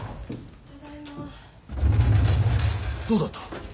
どうだった！？